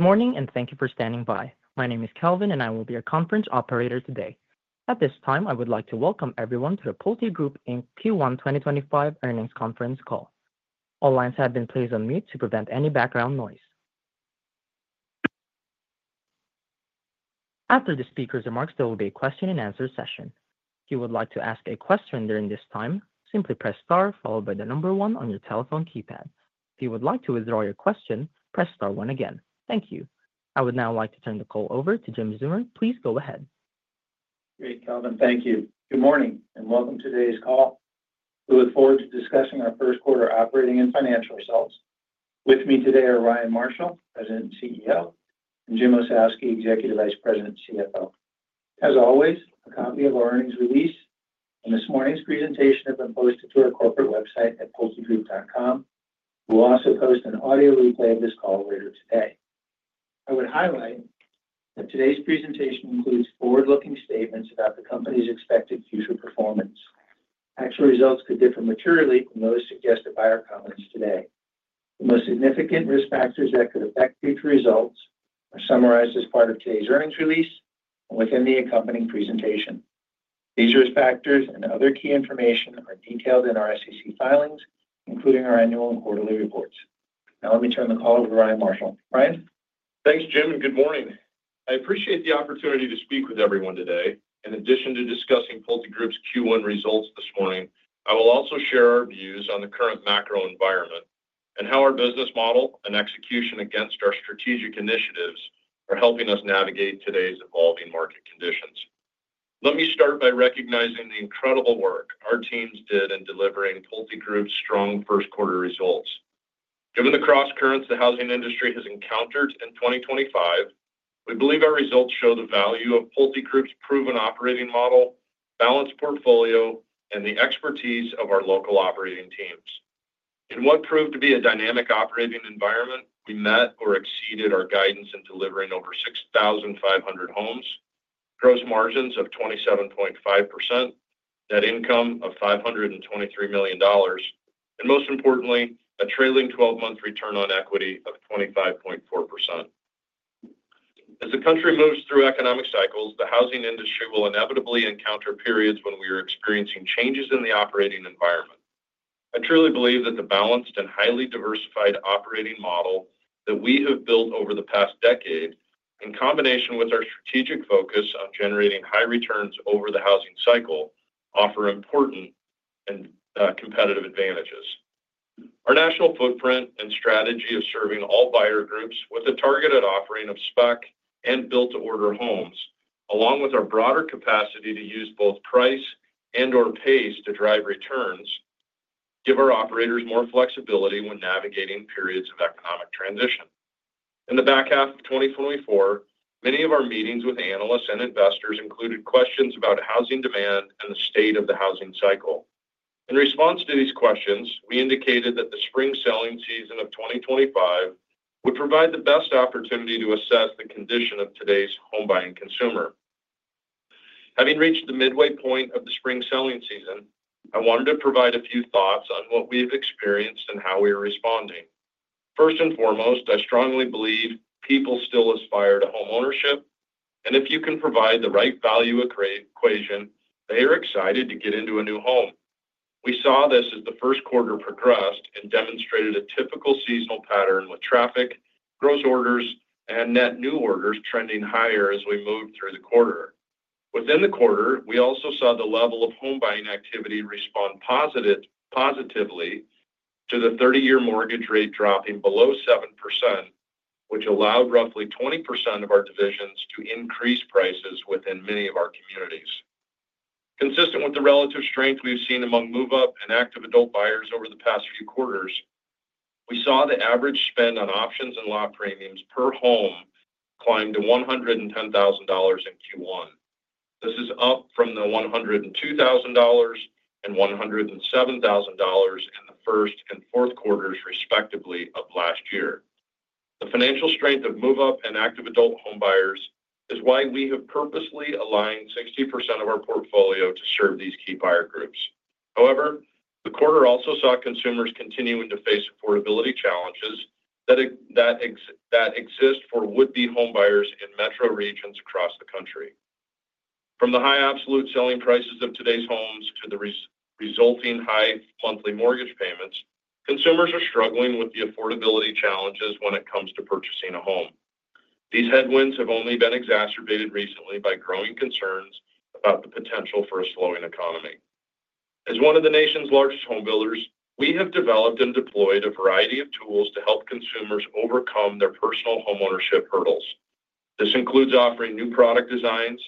Good morning, and thank you for standing by. My name is Kelvin, and I will be your conference operator today. At this time, I would like to welcome everyone to the PulteGroup Q1 2025 earnings conference call. All lines have been placed on mute to prevent any background noise. After the speaker's remarks, there will be a question-and-answer session. If you would like to ask a question during this time, simply press star followed by the number "one on your telephone keypad". If you would like to withdraw your question, press star one again. Thank you. I would now like to turn the call over to Jim Zeumer. Please go ahead. Great, Kelvin, thank you. Good morning and welcome to today's call. We look forward to discussing our first quarter operating and financial results. With me today are Ryan Marshall, President and CEO, and Jim Ossowski, Executive Vice President and CFO. As always, a copy of our earnings release and this morning's presentation have been posted to our corporate website at pultegroup.com. We'll also post an audio replay of this call later today. I would highlight that today's presentation includes forward-looking statements about the company's expected future performance. Actual results could differ materially from those suggested by our comments today. The most significant risk factors that could affect future results are summarized as part of today's earnings release and within the accompanying presentation. These risk factors and other key information are detailed in our SEC filings, including our annual and quarterly reports. Now, let me turn the call over to Ryan Marshall. Ryan? Thanks, Jim. Good morning. I appreciate the opportunity to speak with everyone today. In addition to discussing PulteGroup's Q1 results this morning, I will also share our views on the current macro environment and how our business model and execution against our strategic initiatives are helping us navigate today's evolving market conditions. Let me start by recognizing the incredible work our teams did in delivering PulteGroup's strong first quarter results. Given the crosscurrents the housing industry has encountered in 2025, we believe our results show the value of PulteGroup's proven operating model, balanced portfolio, and the expertise of our local operating teams. In what proved to be a dynamic operating environment, we met or exceeded our guidance in delivering over 6,500 homes, gross margins of 27.5%, net income of $523 million, and most importantly, a trailing 12-month return on equity of 25.4%. As the country moves through economic cycles, the housing industry will inevitably encounter periods when we are experiencing changes in the operating environment. I truly believe that the balanced and highly diversified operating model that we have built over the past decade, in combination with our strategic focus on generating high returns over the housing cycle, offers important and competitive advantages. Our national footprint and strategy of serving all buyer groups with a targeted offering of spec and built-to-order homes, along with our broader capacity to use both price and/or pace to drive returns, give our operators more flexibility when navigating periods of economic transition. In the back half of 2024, many of our meetings with analysts and investors included questions about housing demand and the state of the housing cycle. In response to these questions, we indicated that the spring selling season of 2025 would provide the best opportunity to assess the condition of today's home-buying consumer. Having reached the midway point of the spring selling season, I wanted to provide a few thoughts on what we've experienced and how we are responding. First and foremost, I strongly believe people still aspire to homeownership, and if you can provide the right value equation, they are excited to get into a new home. We saw this as the first quarter progressed and demonstrated a typical seasonal pattern with traffic, gross orders, and net new orders trending higher as we moved through the quarter. Within the quarter, we also saw the level of home-buying activity respond positively to the 30-year mortgage rate dropping below 7%, which allowed roughly 20% of our divisions to increase prices within many of our communities. Consistent with the relative strength we've seen among move-up and active adult buyers over the past few quarters, we saw the average spend on options and lot premiums per home climb to $110,000 in Q1. This is up from the $102,000 and $107,000 in the first and fourth quarters, respectively, of last year. The financial strength of move-up and active adult home buyers is why we have purposely aligned 60% of our portfolio to serve these key buyer groups. However, the quarter also saw consumers continuing to face affordability challenges that exist for would-be home buyers in metro regions across the country. From the high absolute selling prices of today's homes to the resulting high monthly mortgage payments, consumers are struggling with the affordability challenges when it comes to purchasing a home. These headwinds have only been exacerbated recently by growing concerns about the potential for a slowing economy. As one of the nation's largest home builders, we have developed and deployed a variety of tools to help consumers overcome their personal homeownership hurdles. This includes offering new product designs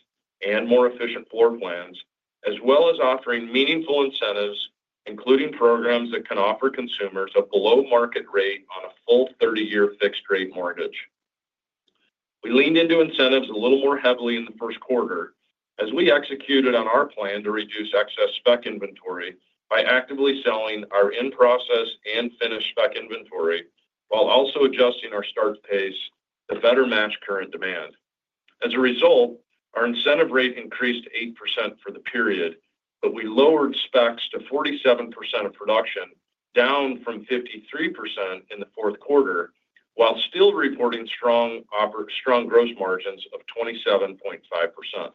and more efficient floor plans, as well as offering meaningful incentives, including programs that can offer consumers a below-market rate on a full 30-year fixed-rate mortgage. We leaned into incentives a little more heavily in the first quarter as we executed on our plan to reduce excess spec inventory by actively selling our in-process and finished spec inventory while also adjusting our start pace to better match current demand. As a result, our incentive rate increased 8% for the period, but we lowered specs to 47% of production, down from 53% in the fourth quarter, while still reporting strong gross margins of 27.5%.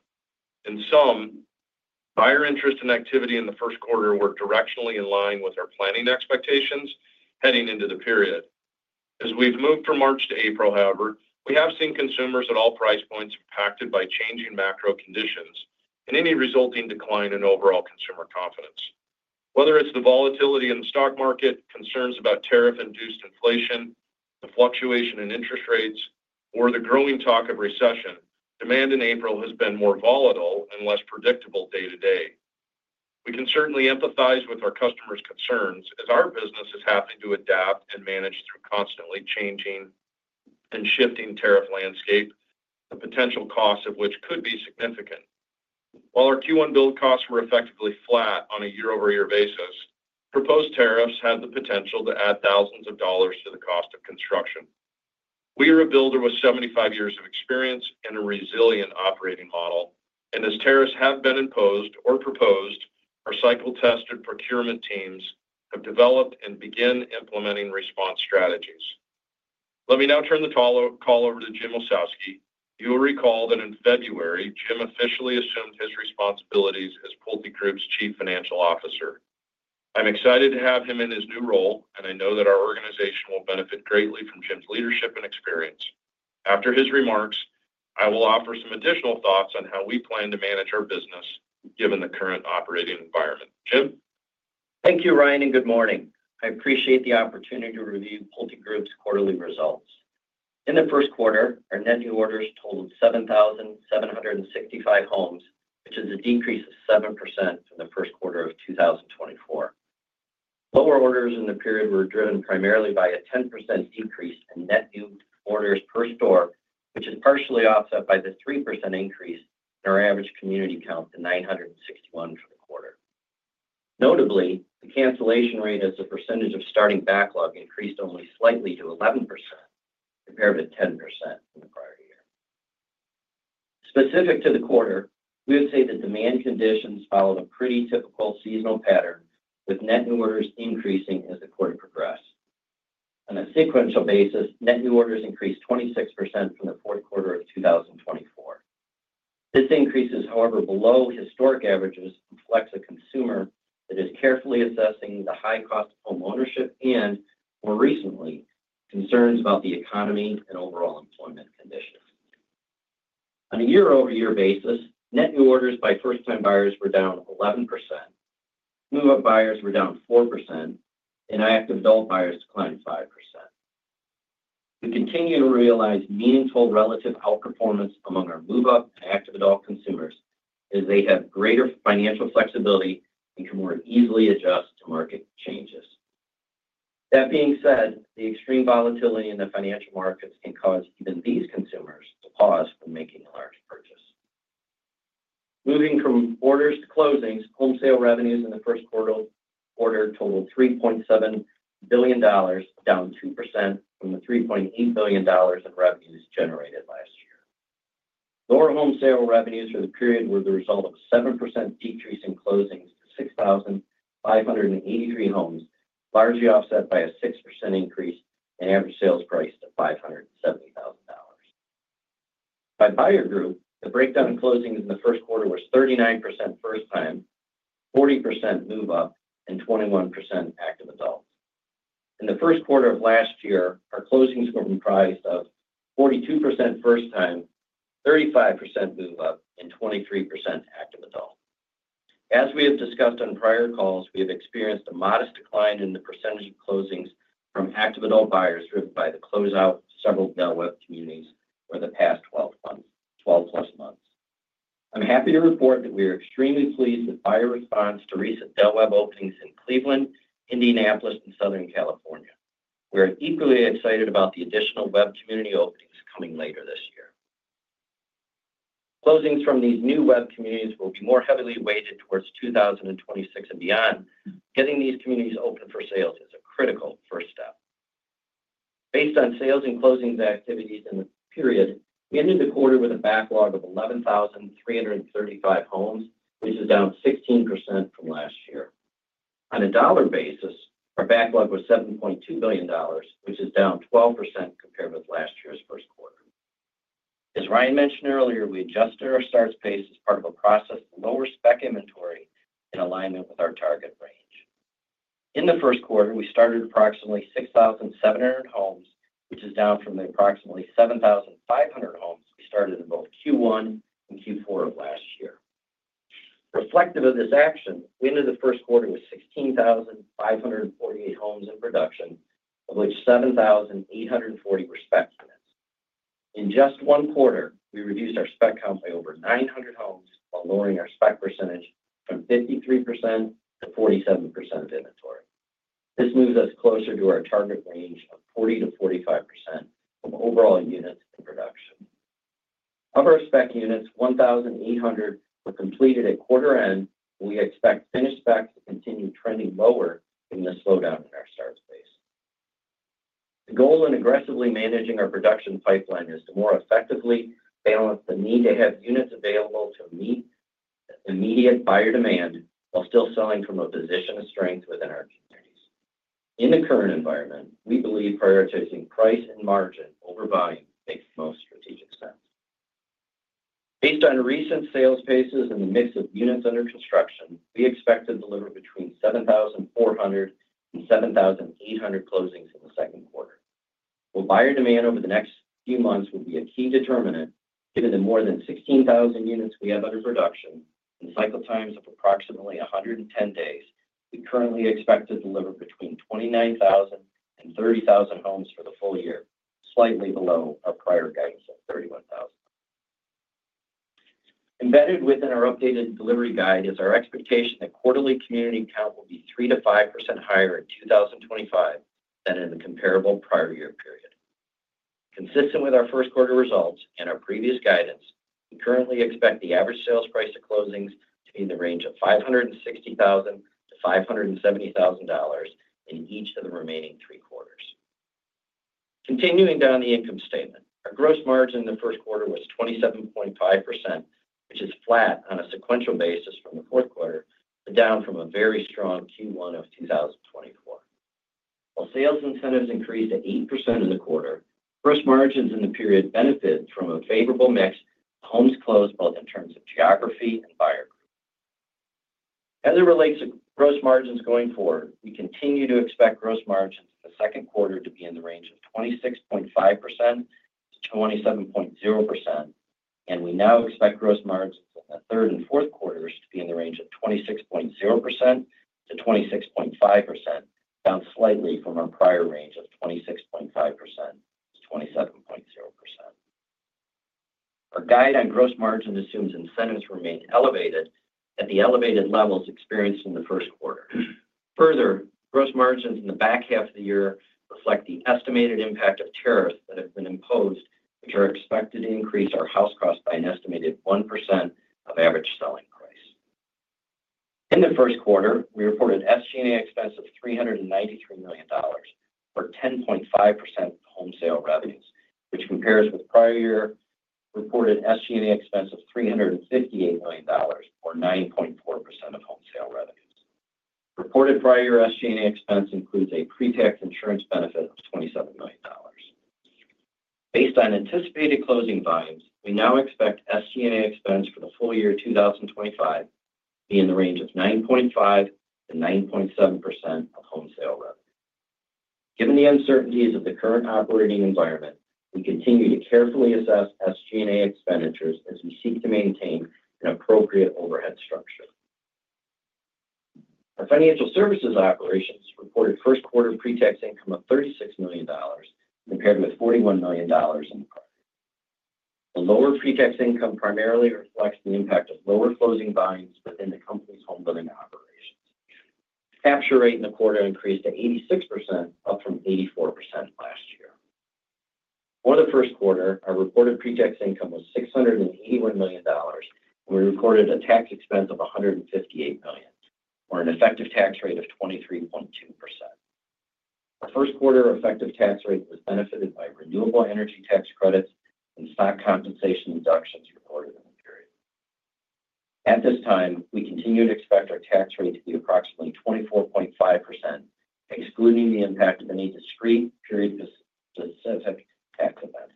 In sum, buyer interest and activity in the first quarter were directionally in line with our planning expectations heading into the period. As we've moved from March to April, however, we have seen consumers at all price points impacted by changing macro conditions and any resulting decline in overall consumer confidence. Whether it's the volatility in the stock market, concerns about tariff-induced inflation, the fluctuation in interest rates, or the growing talk of recession, demand in April has been more volatile and less predictable day to day. We can certainly empathize with our customers' concerns as our business is having to adapt and manage through constantly changing and shifting tariff landscape, the potential costs of which could be significant. While our Q1 build costs were effectively flat on a year-over-year basis, proposed tariffs had the potential to add thousands of dollars to the cost of construction. We are a builder with 75 years of experience and a resilient operating model, and as tariffs have been imposed or proposed, our cycle-tested procurement teams have developed and begin implementing response strategies. Let me now turn the call over to Jim Ossowski. You will recall that in February, Jim officially assumed his responsibilities as PulteGroup's Chief Financial Officer. I'm excited to have him in his new role, and I know that our organization will benefit greatly from Jim's leadership and experience. After his remarks, I will offer some additional thoughts on how we plan to manage our business given the current operating environment. Jim? Thank you, Ryan, and good morning. I appreciate the opportunity to review PulteGroup's quarterly results. In the first quarter, our net new orders totaled 7,765 homes, which is a decrease of 7% from the first quarter of 2024. Lower orders in the period were driven primarily by a 10% decrease in net new orders per store, which is partially offset by the 3% increase in our average community count to 961 for the quarter. Notably, the cancellation rate as a percentage of starting backlog increased only slightly to 11% compared to 10% in the prior year. Specific to the quarter, we would say that demand conditions followed a pretty typical seasonal pattern, with net new orders increasing as the quarter progressed. On a sequential basis, net new orders increased 26% from the fourth quarter of 2024. This increase is, however, below historic averages and reflects a consumer that is carefully assessing the high cost of homeownership and, more recently, concerns about the economy and overall employment conditions. On a year-over-year basis, net new orders by first-time buyers were down 11%, move-up buyers were down 4%, and active adult buyers declined 5%. We continue to realize meaningful relative outperformance among our move-up and active adult consumers as they have greater financial flexibility and can more easily adjust to market changes. That being said, the extreme volatility in the financial markets can cause even these consumers to pause from making a large purchase. Moving from orders to closings, home sale revenues in the first quarter totaled $3.7 billion, down 2% from the $3.8 billion in revenues generated last year. Lower home sale revenues for the period were the result of a 7% decrease in closings to 6,583 homes, largely offset by a 6% increase in average sales price to $570,000. By Buyer Group, the breakdown in closings in the first quarter was 39% first-time, 40% move-up, and 21% active adult. In the first quarter of last year, our closings were comprised of 42% first-time, 35% move-up, and 23% active adult. As we have discussed on prior calls, we have experienced a modest decline in the percentage of closings from active adult buyers driven by the closeout of several Del Webb communities over the past 12 plus months. I'm happy to report that we are extremely pleased with buyer response to recent Del Webb openings in Cleveland, Indianapolis, and Southern California. We are equally excited about the additional Webb community openings coming later this year. Closings from these new Del Webb communities will be more heavily weighted towards 2026 and beyond. Getting these communities open for sales is a critical first step. Based on sales and closings activities in the period, we ended the quarter with a backlog of 11,335 homes, which is down 16% from last year. On a dollar basis, our backlog was $7.2 billion, which is down 12% compared with last year's first quarter. As Ryan mentioned earlier, we adjusted our start pace as part of a process to lower spec inventory in alignment with our target range. In the first quarter, we started approximately 6,700 homes, which is down from the approximately 7,500 homes we started in both Q1 and Q4 of last year. Reflective of this action, we ended the first quarter with 16,548 homes in production, of which 7,840 were spec units. In just one quarter, we reduced our spec count by over 900 homes while lowering our spec percentage from 53% to 47% of inventory. This moves us closer to our target range of 40%-45% of overall units in production. Of our spec units, 1,800 were completed at quarter end, and we expect finished specs to continue trending lower given the slowdown in our start pace. The goal in aggressively managing our production pipeline is to more effectively balance the need to have units available to meet immediate buyer demand while still selling from a position of strength within our communities. In the current environment, we believe prioritizing price and margin over volume makes the most strategic sense. Based on recent sales paces and the mix of units under construction, we expect to deliver between 7,400 and 7,800 closings in the second quarter. While buyer demand over the next few months will be a key determinant, given the more than 16,000 units we have under production and cycle times of approximately 110 days, we currently expect to deliver between 29,000 and 30,000 homes for the full year, slightly below our prior guidance of 31,000. Embedded within our updated delivery guide is our expectation that quarterly community count will be 3%-5% higher in 2025 than in the comparable prior year period. Consistent with our first quarter results and our previous guidance, we currently expect the average sales price to closings to be in the range of $560,000-$570,000 in each of the remaining three quarters. Continuing down the income statement, our gross margin in the first quarter was 27.5%, which is flat on a sequential basis from the fourth quarter, but down from a very strong Q1 of 2024. While sales incentives increased at 8% in the quarter, gross margins in the period benefited from a favorable mix of homes closed both in terms of geography and buyer group. As it relates to gross margins going forward, we continue to expect gross margins in the second quarter to be in the range of 26.5%-27.0%, and we now expect gross margins in the third and fourth quarters to be in the range of 26.0%-26.5%, down slightly from our prior range of 26.5%-27.0%. Our guide on gross margins assumes incentives remain elevated at the elevated levels experienced in the first quarter. Further, gross margins in the back half of the year reflect the estimated impact of tariffs that have been imposed, which are expected to increase our house cost by an estimated 1% of average selling price. In the first quarter, we reported SG&A expense of $393 million or 10.5% of home sale revenues, which compares with prior year reported SG&A expense of $358 million or 9.4% of home sale revenues. Reported prior year SG&A expense includes a pre-tax insurance benefit of $27 million. Based on anticipated closing volumes, we now expect SG&A expense for the full year 2025 to be in the range of 9.5%-9.7% of home sale revenue. Given the uncertainties of the current operating environment, we continue to carefully assess SG&A expenditures as we seek to maintain an appropriate overhead structure. Our financial services operations reported first quarter pre-tax income of $36 million compared with $41 million in the prior. The lower pre-tax income primarily reflects the impact of lower closing volumes within the company's home building operations. Capture rate in the quarter increased to 86%, up from 84% last year. For the first quarter, our reported pre-tax income was $681 million, and we reported a tax expense of $158 million, or an effective tax rate of 23.2%. Our first quarter effective tax rate was benefited by renewable energy tax credits and stock compensation deductions reported in the period. At this time, we continue to expect our tax rate to be approximately 24.5%, excluding the impact of any discrete period-specific tax events.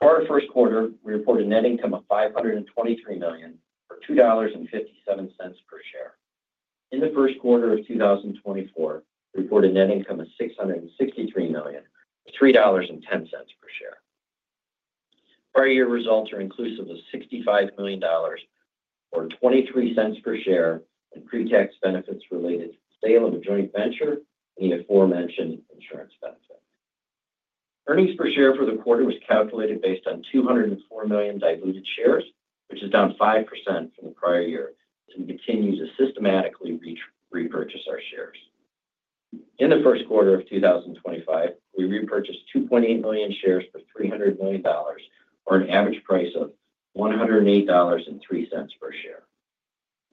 For our first quarter, we reported net income of $523 million or $2.57 per share. In the first quarter of 2024, we reported net income of $663 million or $3.10 per share. Prior year results are inclusive of $65 million or $0.23 per share in pre-tax benefits related to the sale of a joint venture and the aforementioned insurance benefit. Earnings per share for the quarter was calculated based on 204 million diluted shares, which is down 5% from the prior year, as we continue to systematically repurchase our shares. In the first quarter of 2025, we repurchased 2.8 million shares for $300 million, or an average price of $108.03 per share.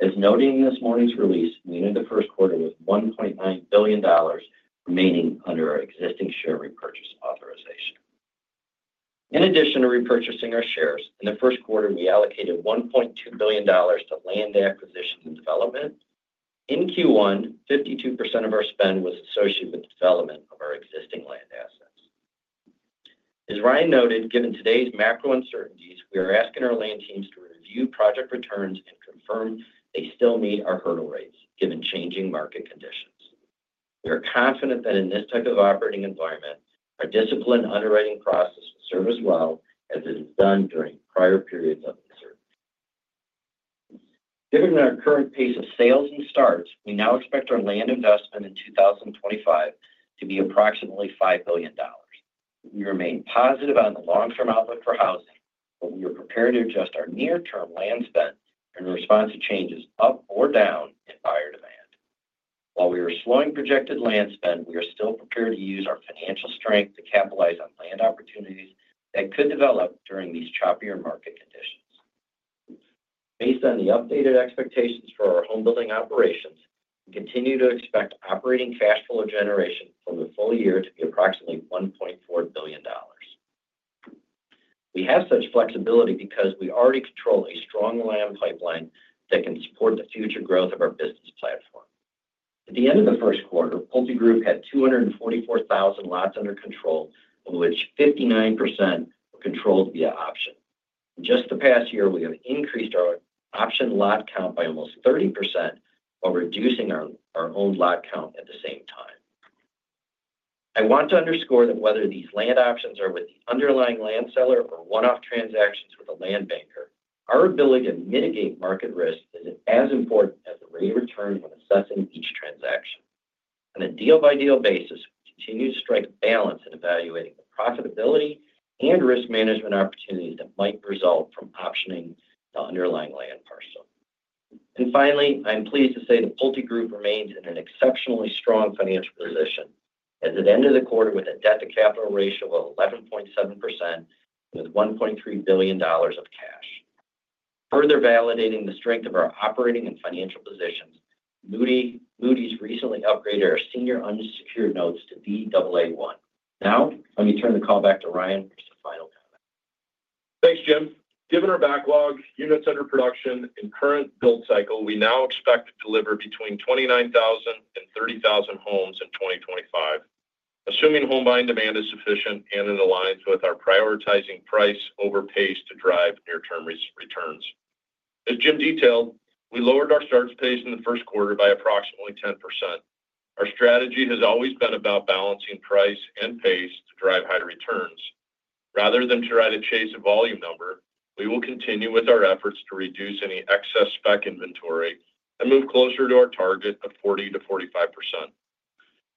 As noted in this morning's release, we ended the first quarter with $1.9 billion remaining under our existing share repurchase authorization. In addition to repurchasing our shares, in the first quarter, we allocated $1.2 billion to land acquisition and development. In Q1, 52% of our spend was associated with the development of our existing land assets. As Ryan noted, given today's macro uncertainties, we are asking our land teams to review project returns and confirm they still meet our hurdle rates given changing market conditions. We are confident that in this type of operating environment, our discipline and underwriting process will serve as well as it has done during prior periods of uncertainty. Given our current pace of sales and starts, we now expect our land investment in 2025 to be approximately $5 billion. We remain positive on the long-term outlook for housing, but we are prepared to adjust our near-term land spend in response to changes up or down in buyer demand. While we are slowing projected land spend, we are still prepared to use our financial strength to capitalize on land opportunities that could develop during these choppier market conditions. Based on the updated expectations for our home building operations, we continue to expect operating cash flow generation from the full year to be approximately $1.4 billion. We have such flexibility because we already control a strong land pipeline that can support the future growth of our business platform. At the end of the first quarter, PulteGroup had 244,000 lots under control, of which 59% were controlled via option. In just the past year, we have increased our option lot count by almost 30% while reducing our owned lot count at the same time. I want to underscore that whether these land options are with the underlying land seller or one-off transactions with a land banker, our ability to mitigate market risk is as important as the rate of return when assessing each transaction. On a deal-by-deal basis, we continue to strike balance in evaluating the profitability and risk management opportunities that might result from optioning the underlying land parcel. Finally, I am pleased to say that PulteGroup remains in an exceptionally strong financial position as it ended the quarter with a debt-to-capital ratio of 11.7% and with $1.3 billion of cash. Further validating the strength of our operating and financial positions, Moody's recently upgraded our senior unsecured notes to A1. Now, let me turn the call back to Ryan for some final comments. Thanks, Jim. Given our backlog, units under production, and current build cycle, we now expect to deliver between 29,000 and 30,000 homes in 2025, assuming home buying demand is sufficient and in alignment with our prioritizing price over pace to drive near-term returns. As Jim detailed, we lowered our starts pace in the first quarter by approximately 10%. Our strategy has always been about balancing price and pace to drive high returns. Rather than try to chase a volume number, we will continue with our efforts to reduce any excess spec inventory and move closer to our target of 40%-45%.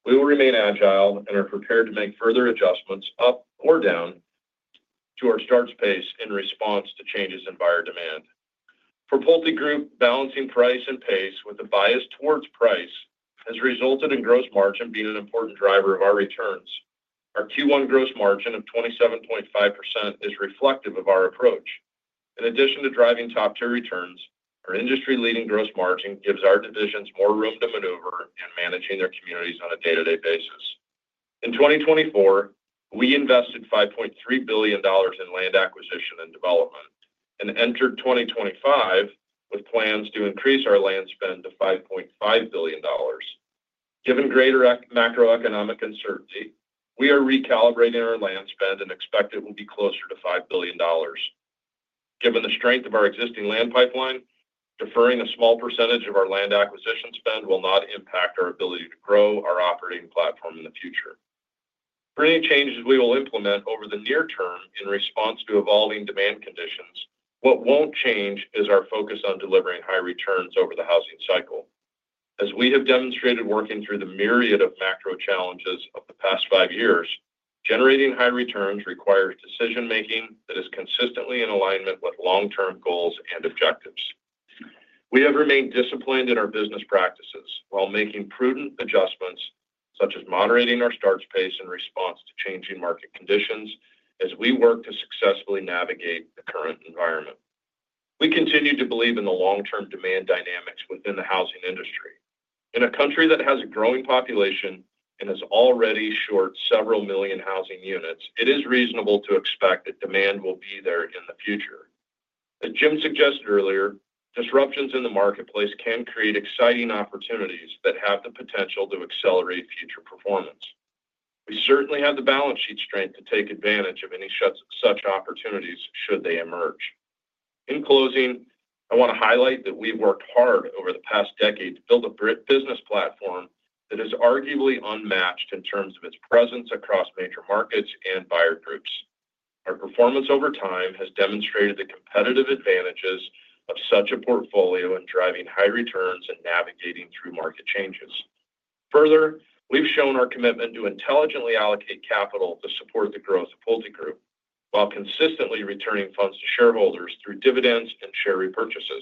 We will remain agile and are prepared to make further adjustments up or down to our starts pace in response to changes in buyer demand. For PulteGroup, balancing price and pace with a bias towards price has resulted in gross margin being an important driver of our returns. Our Q1 gross margin of 27.5% is reflective of our approach. In addition to driving top-tier returns, our industry-leading gross margin gives our divisions more room to maneuver in managing their communities on a day-to-day basis. In 2024, we invested $5.3 billion in land acquisition and development and entered 2025 with plans to increase our land spend to $5.5 billion. Given greater macroeconomic uncertainty, we are recalibrating our land spend and expect it will be closer to $5 billion. Given the strength of our existing land pipeline, deferring a small percentage of our land acquisition spend will not impact our ability to grow our operating platform in the future. For any changes we will implement over the near term in response to evolving demand conditions, what will not change is our focus on delivering high returns over the housing cycle. As we have demonstrated working through the myriad of macro challenges of the past five years, generating high returns requires decision-making that is consistently in alignment with long-term goals and objectives. We have remained disciplined in our business practices while making prudent adjustments, such as moderating our starts pace in response to changing market conditions, as we work to successfully navigate the current environment. We continue to believe in the long-term demand dynamics within the housing industry. In a country that has a growing population and has already short several million housing units, it is reasonable to expect that demand will be there in the future. As Jim suggested earlier, disruptions in the marketplace can create exciting opportunities that have the potential to accelerate future performance. We certainly have the balance sheet strength to take advantage of any such opportunities should they emerge. In closing, I want to highlight that we've worked hard over the past decade to build a business platform that is arguably unmatched in terms of its presence across major markets and buyer groups. Our performance over time has demonstrated the competitive advantages of such a portfolio in driving high returns and navigating through market changes. Further, we've shown our commitment to intelligently allocate capital to support the growth of PulteGroup while consistently returning funds to shareholders through dividends and share repurchases.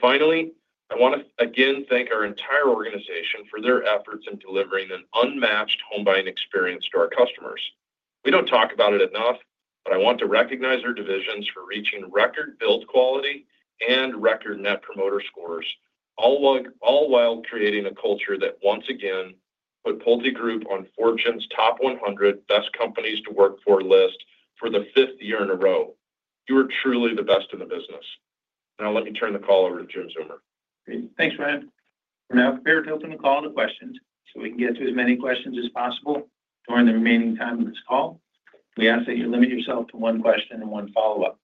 Finally, I want to again thank our entire organization for their efforts in delivering an unmatched home buying experience to our customers. We do not talk about it enough, but I want to recognize our divisions for reaching record build quality and record Net Promoter Scores, all while creating a culture that once again put PulteGroup on Fortune's 100 Best Companies to Work For list for the fifth year in a row. You are truly the best in the business. Now, let me turn the call over to Jim Zeumer. Great. Thanks, Ryan. We are now prepared to open the call to questions, so we can get to as many questions as possible during the remaining time of this call. We ask that you limit yourself to one question and one follow-up.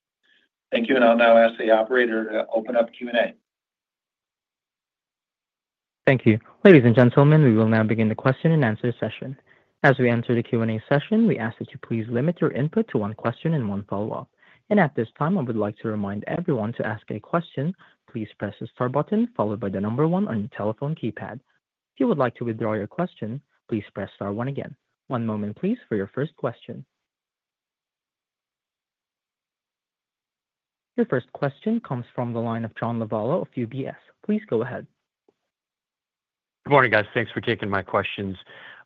Thank you, and I'll now ask the operator to open up Q&A. Thank you. Ladies and gentlemen, we will now begin the question and answer session. As we enter the Q&A session, we ask that you please limit your input to one question and one follow-up. At this time, I would like to remind everyone to ask a question, please press the star button followed by the number one on your telephone keypad. If you would like to withdraw your question, please press star one again. One moment, please, for your first question. Your first question comes from the line of John Lovallo of UBS. Please go ahead. Good morning, guys. Thanks for taking my questions.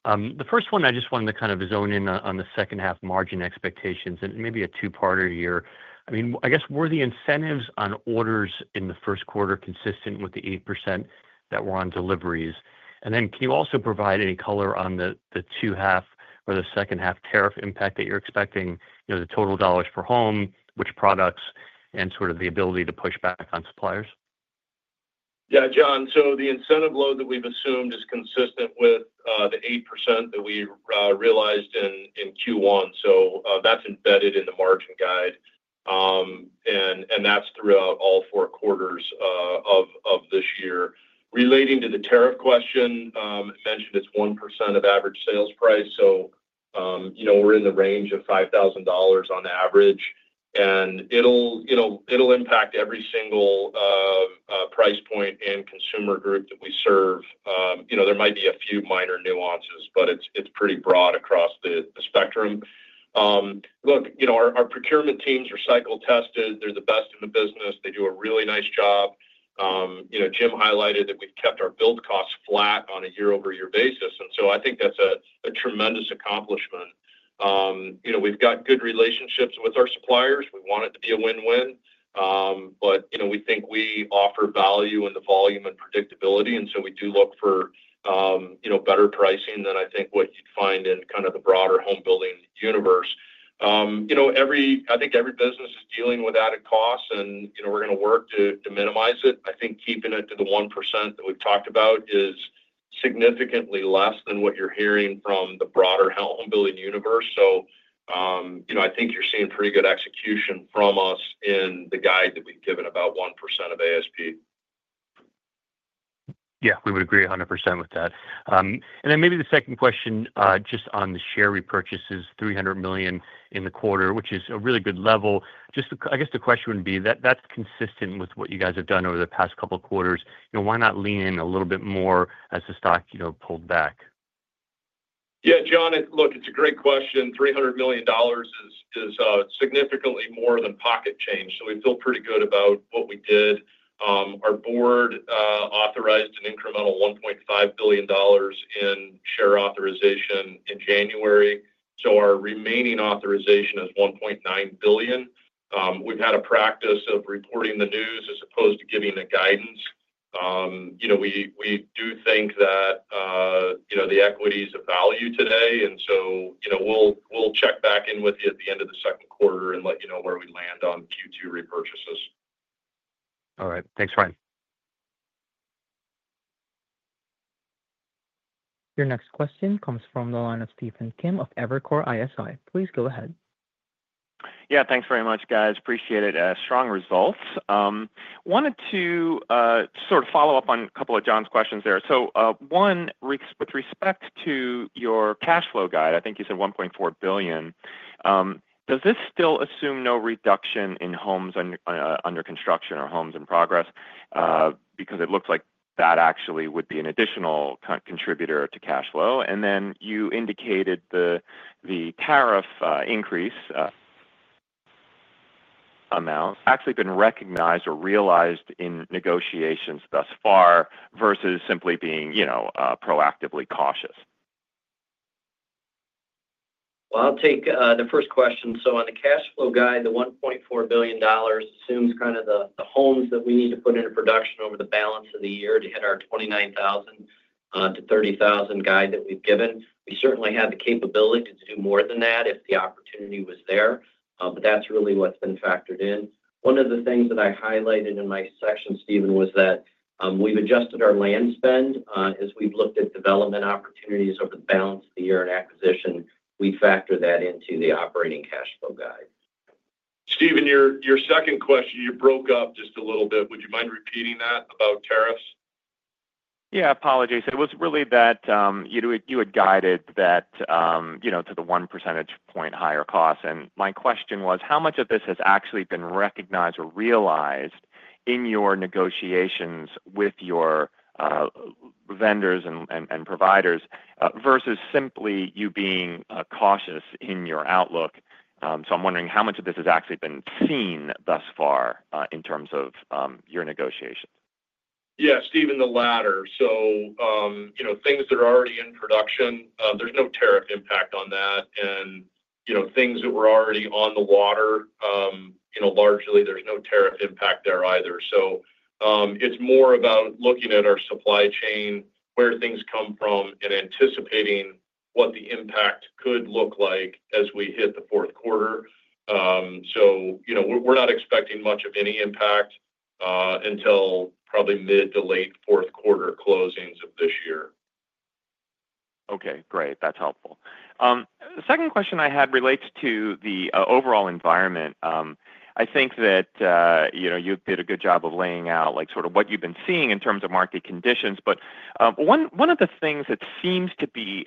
The first one, I just wanted to kind of zone in on the second-half margin expectations and maybe a two-parter here. I mean, I guess, were the incentives on orders in the first quarter consistent with the 8% that were on deliveries? Can you also provide any color on the two-half or the second-half tariff impact that you're expecting, the total dollars per home, which products, and sort of the ability to push back on suppliers? Yeah, John, the incentive load that we've assumed is consistent with the 8% that we realized in Q1. That is embedded in the margin guide, and that is throughout all four quarters of this year. Relating to the tariff question, I mentioned it is 1% of average sales price. We are in the range of $5,000 on average, and it will impact every single price point and consumer group that we serve. There might be a few minor nuances, but it is pretty broad across the spectrum. Look, our procurement teams are cycle-tested. They're the best in the business. They do a really nice job. Jim highlighted that we've kept our build costs flat on a year-over-year basis. I think that's a tremendous accomplishment. We've got good relationships with our suppliers. We want it to be a win-win, but we think we offer value in the volume and predictability. We do look for better pricing than I think what you'd find in kind of the broader home building universe. I think every business is dealing with added costs, and we're going to work to minimize it. I think keeping it to the 1% that we've talked about is significantly less than what you're hearing from the broader home building universe. I think you're seeing pretty good execution from us in the guide that we've given about 1% of ASP. Yeah, we would agree 100% with that. Maybe the second question just on the share repurchase is $300 million in the quarter, which is a really good level. I guess the question would be, that's consistent with what you guys have done over the past couple of quarters. Why not lean in a little bit more as the stock pulled back? Yeah, John, look, it's a great question. $300 million is significantly more than pocket change. We feel pretty good about what we did. Our board authorized an incremental $1.5 billion in share authorization in January. Our remaining authorization is $1.9 billion. We've had a practice of reporting the news as opposed to giving the guidance. We do think that the equities have value today. We'll check back in with you at the end of the second quarter and let you know where we land on Q2 repurchases. All right. Thanks, Ryan. Your next question comes from the line of Stephen Kim of Evercore ISI. Please go ahead. Yeah, thanks very much, guys. Appreciate it. Strong results. Wanted to sort of follow up on a couple of John's questions there. One, with respect to your cash flow guide, I think you said $1.4 billion. Does this still assume no reduction in homes under construction or homes in progress? Because it looks like that actually would be an additional contributor to cash flow. You indicated the tariff increase amount has actually been recognized or realized in negotiations thus far versus simply being proactively cautious. I'll take the first question. On the cash flow guide, the $1.4 billion assumes kind of the homes that we need to put into production over the balance of the year to hit our 29,000-30,000 guide that we've given. We certainly have the capability to do more than that if the opportunity was there, but that's really what's been factored in. One of the things that I highlighted in my section, Stephen, was that we've adjusted our land spend as we've looked at development opportunities over the balance of the year in acquisition. We factor that into the operating cash flow guide. Stephen, your second question, you broke up just a little bit. Would you mind repeating that about tariffs? Yeah, apologies. It was really that you had guided that to the 1 percentage point higher cost. And my question was, how much of this has actually been recognized or realized in your negotiations with your vendors and providers versus simply you being cautious in your outlook? So I'm wondering how much of this has actually been seen thus far in terms of your negotiations. Yeah, Stephen, the latter. Things that are already in production, there's no tariff impact on that. Things that were already on the water, largely there's no tariff impact there either. It is more about looking at our supply chain, where things come from, and anticipating what the impact could look like as we hit the fourth quarter. We are not expecting much of any impact until probably mid to late fourth quarter closings of this year. Okay, great. That's helpful. The second question I had relates to the overall environment. I think that you did a good job of laying out sort of what you've been seeing in terms of market conditions. One of the things that seems to be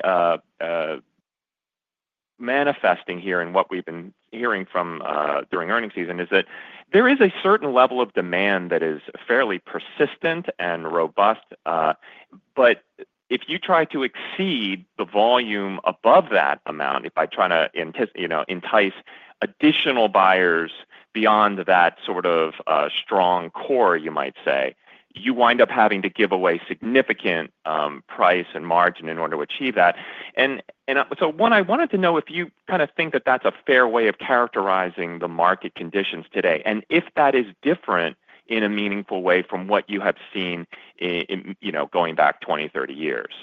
manifesting here in what we've been hearing from during earnings season is that there is a certain level of demand that is fairly persistent and robust. If you try to exceed the volume above that amount, if by trying to entice additional buyers beyond that sort of strong core, you might say, you wind up having to give away significant price and margin in order to achieve that. What I wanted to know is if you kind of think that that's a fair way of characterizing the market conditions today, and if that is different in a meaningful way from what you have seen going back 20, 30 years.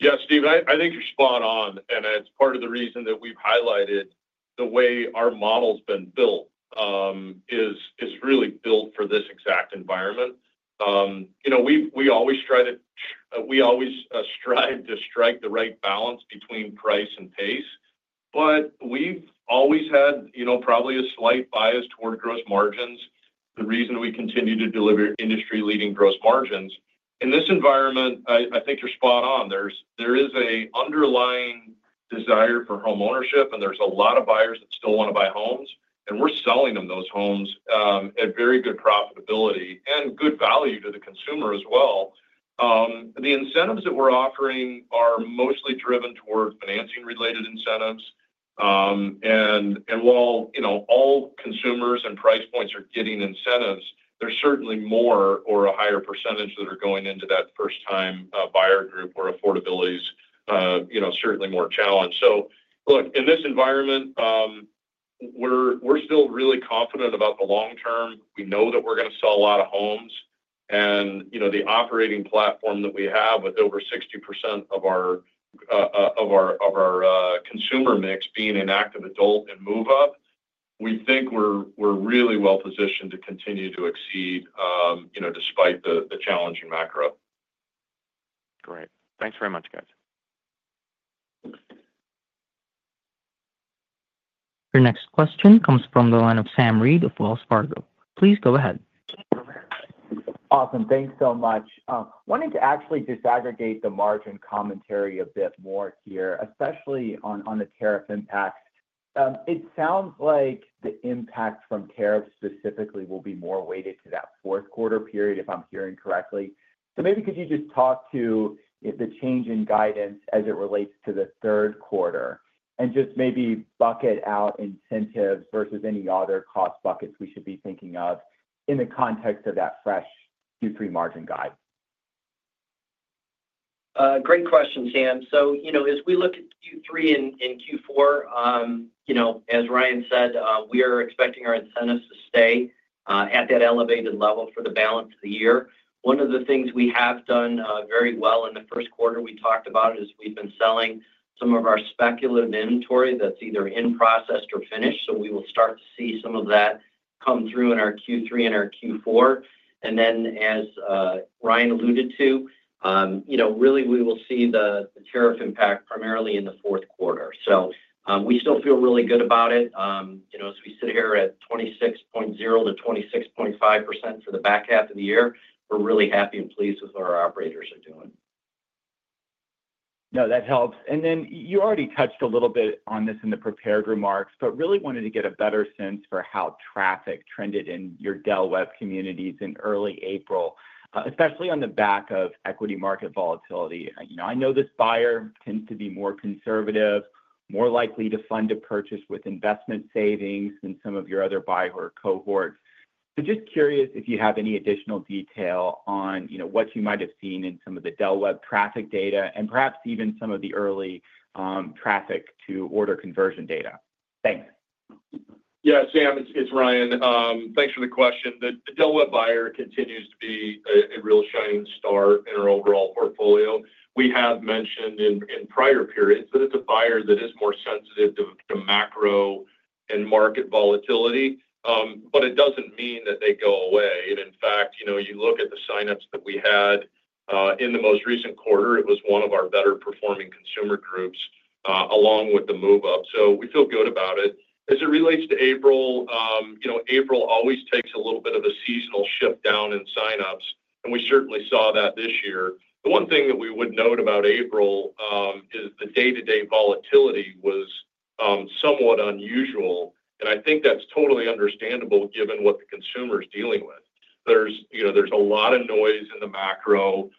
Yeah, Stephen, I think you're spot on. It is part of the reason that we've highlighted the way our model's been built is really built for this exact environment. We always strive to strike the right balance between price and pace. We've always had probably a slight bias toward gross margins, the reason we continue to deliver industry-leading gross margins. In this environment, I think you're spot on. There is an underlying desire for homeownership, and there's a lot of buyers that still want to buy homes. We're selling them those homes at very good profitability and good value to the consumer as well. The incentives that we're offering are mostly driven toward financing-related incentives. While all consumers and price points are getting incentives, there's certainly more or a higher percentage that are going into that first-time buyer group where affordability is certainly more challenged. Look, in this environment, we're still really confident about the long term. We know that we're going to sell a lot of homes. The operating platform that we have with over 60% of our consumer mix being an active adult and move-up, we think we're really well-positioned to continue to exceed despite the challenging macro. Great. Thanks very much, guys. Your next question comes from the line of Sam Reid of Wells Fargo. Please go ahead. Awesome. Thanks so much. Wanted to actually disaggregate the margin commentary a bit more here, especially on the tariff impacts. It sounds like the impact from tariffs specifically will be more weighted to that fourth quarter period, if I'm hearing correctly. Maybe could you just talk to the change in guidance as it relates to the third quarter and just maybe bucket out incentives versus any other cost buckets we should be thinking of in the context of that fresh Q3 margin guide? Great question, Sam. As we look at Q3 and Q4, as Ryan said, we are expecting our incentives to stay at that elevated level for the balance of the year. One of the things we have done very well in the first quarter we talked about is we've been selling some of our speculative inventory that's either in process or finished. We will start to see some of that come through in our Q3 and our Q4. As Ryan alluded to, really we will see the tariff impact primarily in the fourth quarter. We still feel really good about it. As we sit here at 26.0-26.5% for the back half of the year, we're really happy and pleased with what our operators are doing. No, that helps. You already touched a little bit on this in the prepared remarks, but really wanted to get a better sense for how traffic trended in your Del Webb communities in early April, especially on the back of equity market volatility. I know this buyer tends to be more conservative, more likely to fund a purchase with investment savings than some of your other buyer cohorts. Just curious if you have any additional detail on what you might have seen in some of the Del Webb traffic data and perhaps even some of the early traffic to order conversion data. Thanks. Yeah, Sam, it's Ryan. Thanks for the question. The Del Webb buyer continues to be a real shining star in our overall portfolio. We have mentioned in prior periods that it's a buyer that is more sensitive to macro and market volatility, but it does not mean that they go away. In fact, you look at the signups that we had in the most recent quarter, it was one of our better-performing consumer groups along with the move-up. We feel good about it. As it relates to April, April always takes a little bit of a seasonal shift down in signups, and we certainly saw that this year. The one thing that we would note about April is the day-to-day volatility was somewhat unusual. I think that's totally understandable given what the consumer is dealing with. There's a lot of noise in the macro,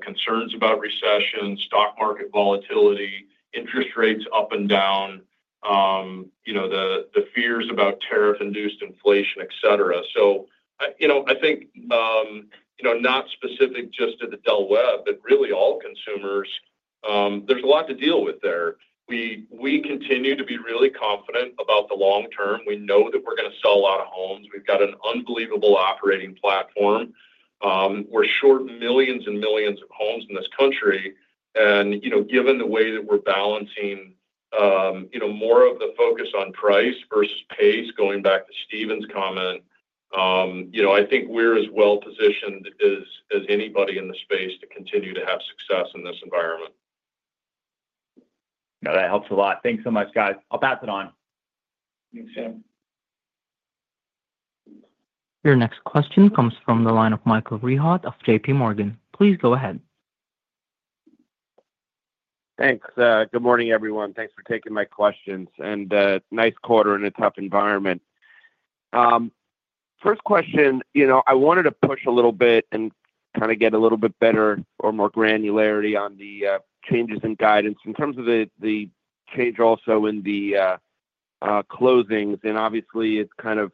concerns about recession, stock market volatility, interest rates up and down, the fears about tariff-induced inflation, etc. I think not specific just to the Del Webb, but really all consumers, there's a lot to deal with there. We continue to be really confident about the long term. We know that we're going to sell a lot of homes. We've got an unbelievable operating platform. We're short millions and millions of homes in this country. Given the way that we're balancing more of the focus on price versus pace, going back to Stephen's comment, I think we're as well-positioned as anybody in the space to continue to have success in this environment. No, that helps a lot. Thanks so much, guys. I'll pass it on. Thanks, Sam. Your next question comes from the line of Michael Rehaut of JPMorgan. Please go ahead. Thanks. Good morning, everyone. Thanks for taking my questions. And nice quarter in a tough environment. First question, I wanted to push a little bit and kind of get a little bit better or more granularity on the changes in guidance in terms of the change also in the closings. Obviously, it kind of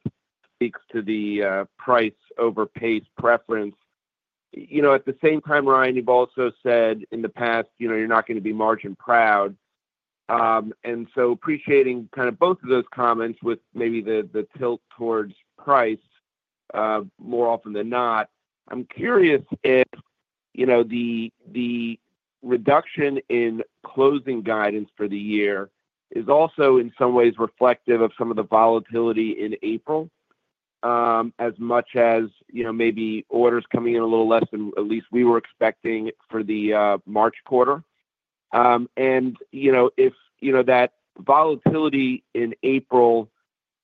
speaks to the price over pace preference. At the same time, Ryan, you've also said in the past, you're not going to be margin proud. Appreciating kind of both of those comments with maybe the tilt towards price more often than not. I'm curious if the reduction in closing guidance for the year is also in some ways reflective of some of the volatility in April, as much as maybe orders coming in a little less than at least we were expecting for the March quarter. If that volatility in April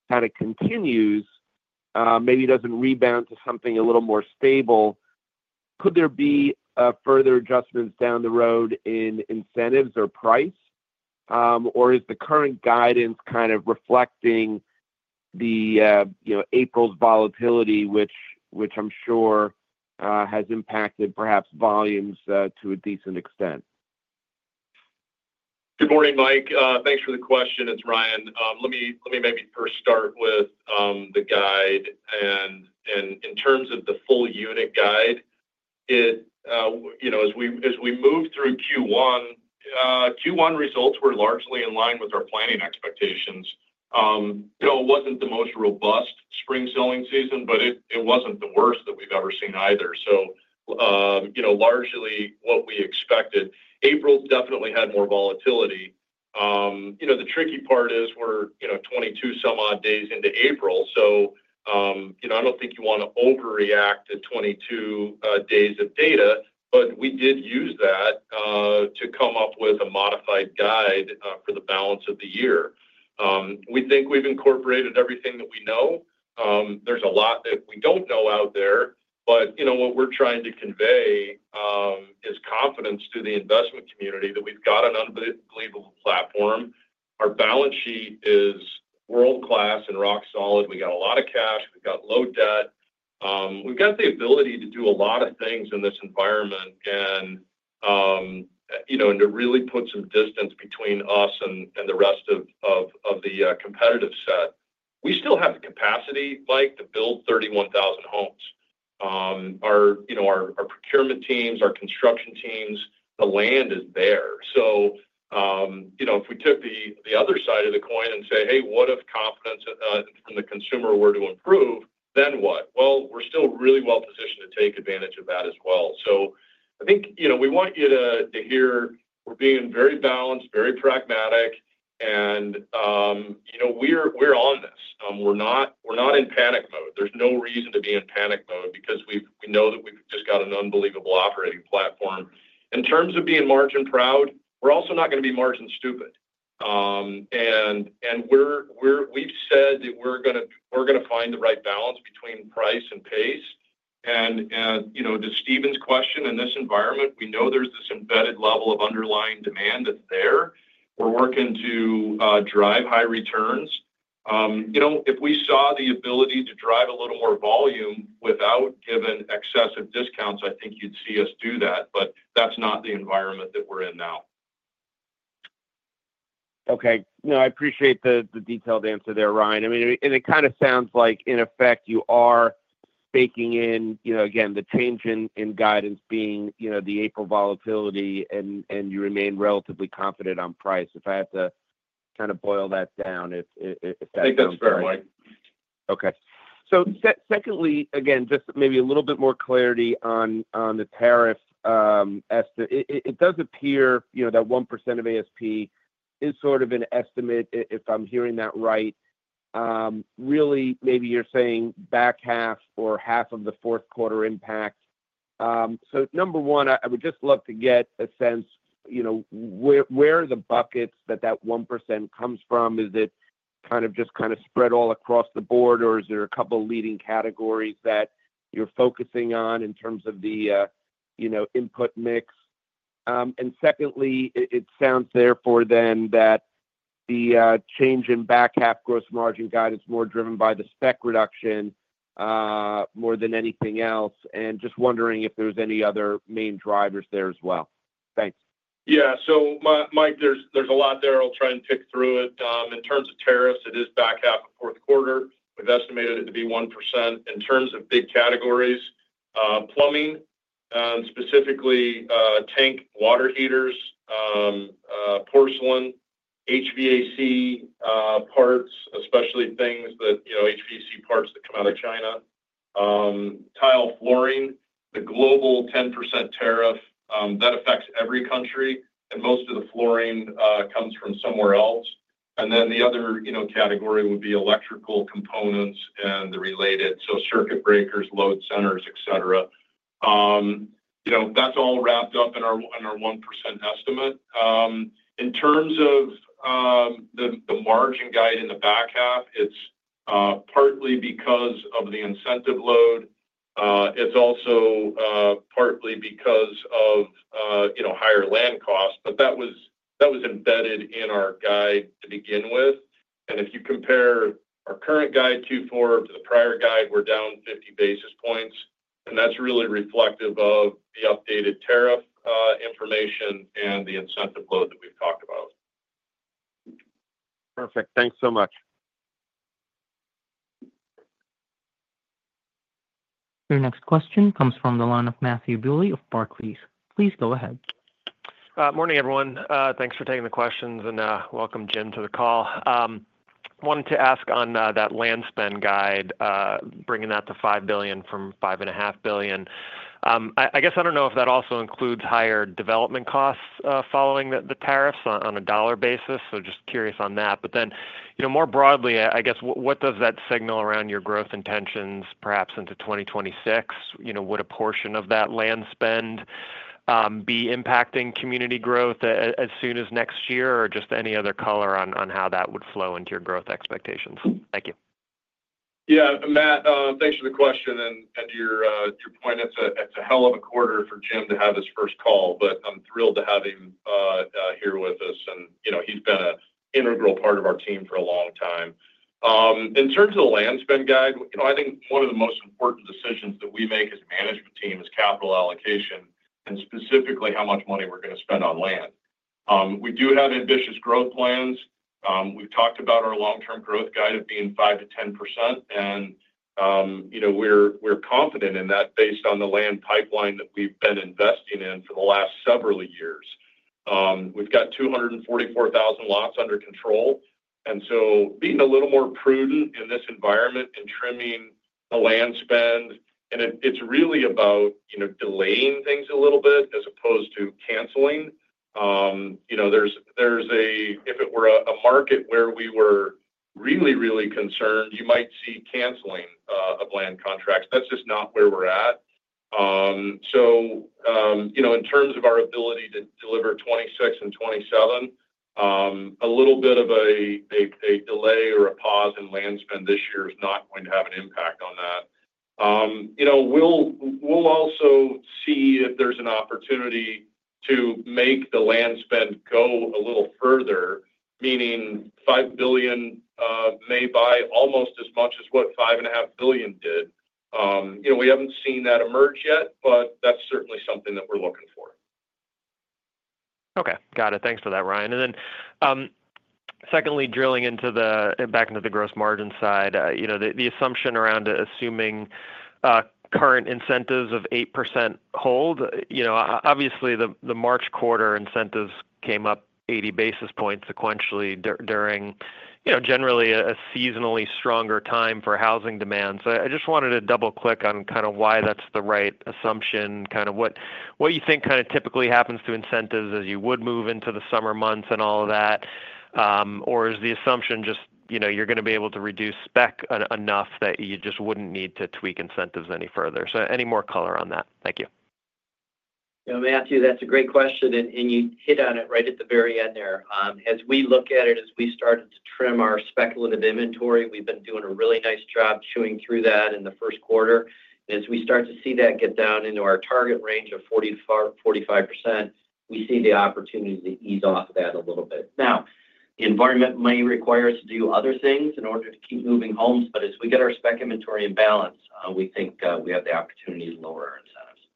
kind of continues, maybe does not rebound to something a little more stable, could there be further adjustments down the road in incentives or price? Or is the current guidance kind of reflecting April's volatility, which I'm sure has impacted perhaps volumes to a decent extent? Good morning, Mike. Thanks for the question. It's Ryan. Let me maybe first start with the guide. In terms of the full unit guide, as we moved through Q1, Q1 results were largely in line with our planning expectations. It was not the most robust spring selling season, but it was not the worst that we have ever seen either. Largely what we expected. April definitely had more volatility. The tricky part is we are 22 some odd days into April. I do not think you want to overreact to 22 days of data, but we did use that to come up with a modified guide for the balance of the year. We think we have incorporated everything that we know. There is a lot that we do not know out there, but what we are trying to convey is confidence to the investment community that we have got an unbelievable platform. Our balance sheet is world-class and rock solid. We have got a lot of cash. We have got low debt. We've got the ability to do a lot of things in this environment and to really put some distance between us and the rest of the competitive set. We still have the capacity, Mike, to build 31,000 homes. Our procurement teams, our construction teams, the land is there. If we took the other side of the coin and say, "Hey, what if confidence from the consumer were to improve, then what?" We are still really well-positioned to take advantage of that as well. I think we want you to hear we're being very balanced, very pragmatic, and we're on this. We're not in panic mode. There's no reason to be in panic mode because we know that we've just got an unbelievable operating platform. In terms of being margin proud, we're also not going to be margin stupid. We have said that we are going to find the right balance between price and pace. To Stephen's question, in this environment, we know there is this embedded level of underlying demand that is there. We are working to drive high returns. If we saw the ability to drive a little more volume without giving excessive discounts, I think you would see us do that. That is not the environment that we are in now. No, I appreciate the detailed answer there, Ryan. I mean, and it kind of sounds like, in effect, you are baking in, again, the change in guidance being the April volatility, and you remain relatively confident on price. If I have to kind of boil that down, if that makes sense. I think that is fair, Mike. Secondly, again, just maybe a little bit more clarity on the tariff. It does appear that 1% of ASP is sort of an estimate, if I'm hearing that right. Really, maybe you're saying back half or half of the fourth quarter impact. Number one, I would just love to get a sense, where are the buckets that that 1% comes from? Is it kind of just kind of spread all across the board, or is there a couple of leading categories that you're focusing on in terms of the input mix? Secondly, it sounds therefore then that the change in back half gross margin guide is more driven by the spec reduction more than anything else. Just wondering if there's any other main drivers there as well. Thanks. Yeah. Mike, there's a lot there. I'll try and pick through it. In terms of tariffs, it is back half of fourth quarter. We've estimated it to be 1%. In terms of big categories, plumbing, specifically tank water heaters, porcelain, HVAC parts, especially things that HVAC parts that come out of China, tile flooring, the global 10% tariff, that affects every country. Most of the flooring comes from somewhere else. The other category would be electrical components and the related, so circuit breakers, load centers, etc. That's all wrapped up in our 1% estimate. In terms of the margin guide in the back half, it's partly because of the incentive load. It's also partly because of higher land costs. That was embedded in our guide to begin with. If you compare our current guide Q4 to the prior guide, we're down 50 basis points. That's really reflective of the updated tariff information and the incentive load that we've talked about. Perfect. Thanks so much. Your next question comes from the line of Matthew Bouley of Barclays. Please go ahead. Morning, everyone. Thanks for taking the questions and welcome, Jim, to the call. I wanted to ask on that land spend guide, bringing that to $5 billion from $5.5 billion. I guess I do not know if that also includes higher development costs following the tariffs on a dollar basis. Just curious on that. More broadly, I guess, what does that signal around your growth intentions, perhaps into 2026? Would a portion of that land spend be impacting community growth as soon as next year, or just any other color on how that would flow into your growth expectations? Thank you. Yeah, Matt, thanks for the question. To your point, it is a hell of a quarter for Jim to have his first call, but I am thrilled to have him here with us. He has been an integral part of our team for a long time. In terms of the land spend guide, I think one of the most important decisions that we make as a management team is capital allocation and specifically how much money we are going to spend on land. We do have ambitious growth plans. We have talked about our long-term growth guide of being 5-10%. We are confident in that based on the land pipeline that we have been investing in for the last several years. We have 244,000 lots under control. Being a little more prudent in this environment and trimming the land spend, it is really about delaying things a little bit as opposed to canceling. If it were a market where we were really, really concerned, you might see canceling of land contracts. That is just not where we are at. In terms of our ability to deliver 2026 and 2027, a little bit of a delay or a pause in land spend this year is not going to have an impact on that. We will also see if there is an opportunity to make the land spend go a little further, meaning $5 billion may buy almost as much as what $5.5 billion did. We have not seen that emerge yet, but that is certainly something that we are looking for. Okay. Got it. Thanks for that, Ryan. Secondly, drilling back into the gross margin side, the assumption around assuming current incentives of 8% hold, obviously, the March quarter incentives came up 80 basis points sequentially during generally a seasonally stronger time for housing demand. I just wanted to double-click on kind of why that's the right assumption, kind of what you think kind of typically happens to incentives as you would move into the summer months and all of that, or is the assumption just you're going to be able to reduce spec enough that you just wouldn't need to tweak incentives any further? Any more color on that? Thank you. Matthew, that's a great question. You hit on it right at the very end there. As we look at it, as we started to trim our speculative inventory, we've been doing a really nice job chewing through that in the first quarter. As we start to see that get down into our target range of 45%, we see the opportunity to ease off of that a little bit. Now, the environment may require us to do other things in order to keep moving homes, but as we get our spec inventory in balance, we think we have the opportunity to lower our incentives.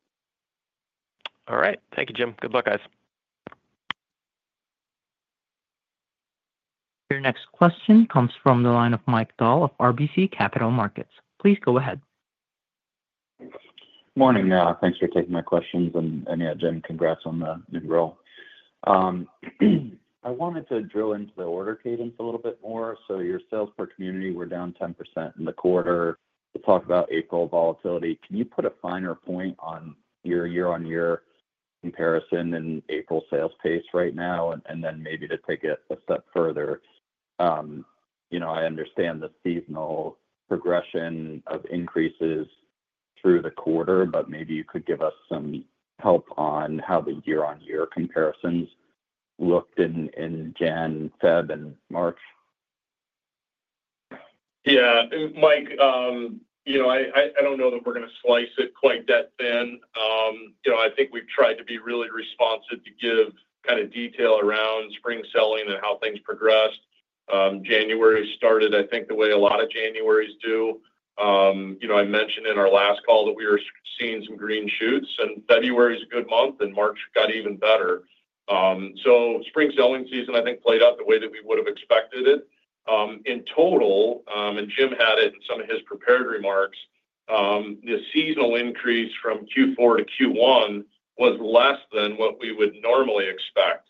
All right. Thank you, Jim. Good luck, guys. Your next question comes from the line of Mike Dahl of RBC Capital Markets. Please go ahead. Morning. Thanks for taking my questions. Yeah, Jim, congrats on the new role. I wanted to drill into the order cadence a little bit more. Your sales per community were down 10% in the quarter. We'll talk about April volatility. Can you put a finer point on your year-on-year comparison and April sales pace right now? Maybe to take it a step further, I understand the seasonal progression of increases through the quarter, but maybe you could give us some help on how the year-on-year comparisons looked in January, February, and March. Yeah. Mike, I do not know that we are going to slice it quite that thin. I think we have tried to be really responsive to give kind of detail around spring selling and how things progressed. January started, I think, the way a lot of Januarys do. I mentioned in our last call that we were seeing some green shoots, and February is a good month, and March got even better. Spring selling season, I think, played out the way that we would have expected it. In total, and Jim had it in some of his prepared remarks, the seasonal increase from Q4 to Q1 was less than what we would normally expect.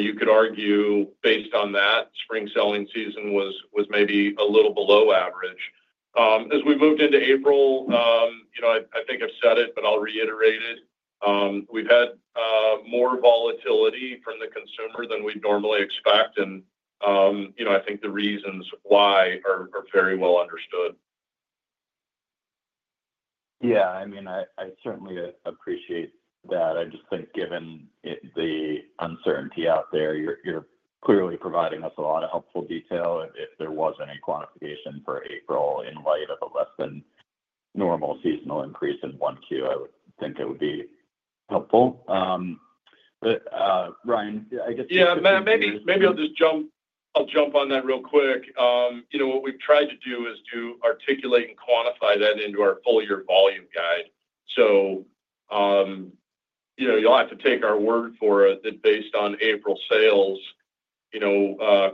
You could argue, based on that, spring selling season was maybe a little below average. As we moved into April, I think I've said it, but I'll reiterate it. We've had more volatility from the consumer than we'd normally expect. I think the reasons why are very well understood. Yeah. I mean, I certainly appreciate that. I just think, given the uncertainty out there, you're clearly providing us a lot of helpful detail. If there wasn't a quantification for April in light of a less-than-normal seasonal increase in Q1, I would think it would be helpful. Ryan, I guess. Yeah, maybe I'll just jump on that real quick. What we've tried to do is to articulate and quantify that into our full-year volume guide. You will have to take our word for it that based on April sales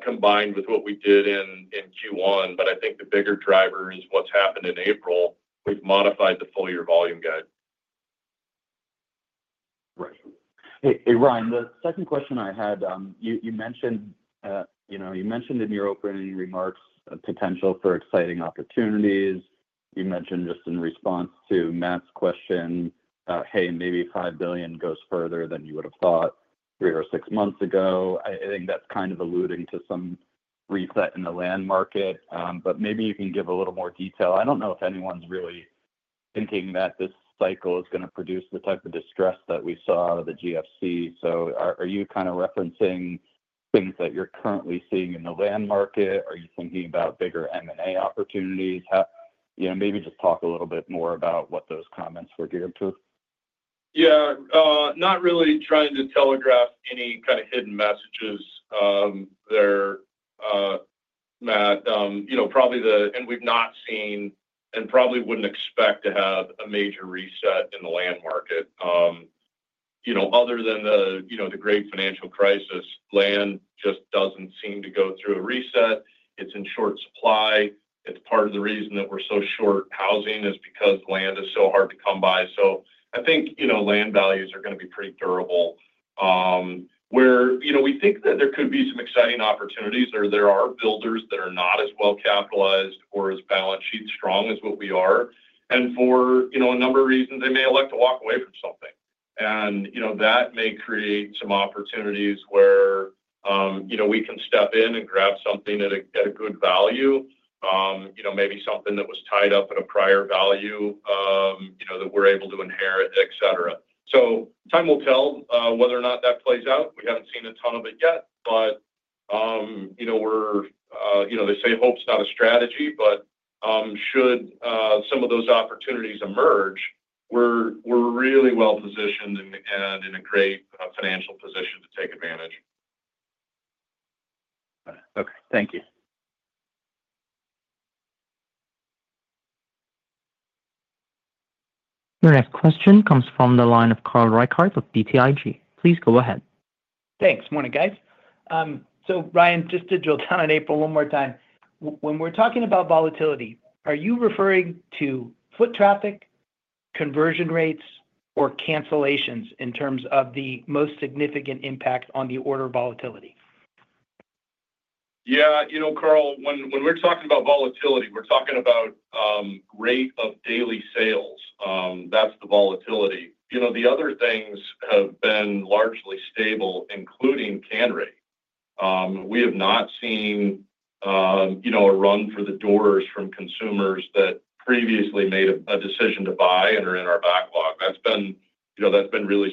combined with what we did in Q1, I think the bigger driver is what has happened in April. We have modified the full-year volume guide. Right. Hey, Ryan, the second question I had, you mentioned in your opening remarks potential for exciting opportunities. You mentioned just in response to Matt's question, "Hey, maybe $5 billion goes further than you would have thought three or six months ago." I think that is kind of alluding to some reset in the land market. Maybe you can give a little more detail. I do not know if anyone is really thinking that this cycle is going to produce the type of distress that we saw out of the GFC. Are you kind of referencing things that you are currently seeing in the land market? Are you thinking about bigger M&A opportunities? Maybe just talk a little bit more about what those comments were geared to. Yeah. Not really trying to telegraph any kind of hidden messages there, Matt. Probably the, and we've not seen and probably wouldn't expect to have a major reset in the land market. Other than the great financial crisis, land just doesn't seem to go through a reset. It's in short supply. It's part of the reason that we're so short housing is because land is so hard to come by. I think land values are going to be pretty durable. We think that there could be some exciting opportunities. There are builders that are not as well capitalized or as balance sheet strong as what we are. For a number of reasons, they may elect to walk away from something. That may create some opportunities where we can step in and grab something at a good value, maybe something that was tied up at a prior value that we're able to inherit, etc. Time will tell whether or not that plays out. We haven't seen a ton of it yet, but they say hope's not a strategy, but should some of those opportunities emerge, we're really well positioned and in a great financial position to take advantage. Thank you. Your next question comes from the line of Carl Reichardt of BTIG. Please go ahead. Thanks. Morning, guys. Ryan, just to drill down on April one more time, when we're talking about volatility, are you referring to foot traffic, conversion rates, or cancellations in terms of the most significant impact on the order volatility? Yeah. Carl, when we're talking about volatility, we're talking about rate of daily sales. That's the volatility. The other things have been largely stable, including can rate. We have not seen a run for the doors from consumers that previously made a decision to buy and are in our backlog. That's been really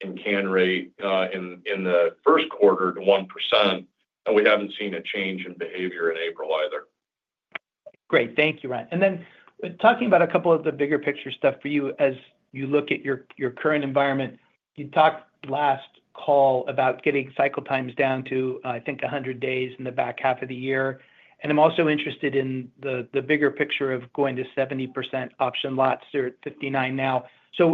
stable. Jim highlighted we saw a modest, very small tick up in can rate in the first quarter to 1%. We haven't seen a change in behavior in April either. Great. Thank you, Ryan. Talking about a couple of the bigger picture stuff for you, as you look at your current environment, you talked last call about getting cycle times down to, I think, 100 days in the back half of the year. I'm also interested in the bigger picture of going to 70% option lots. They're at 59 now. Is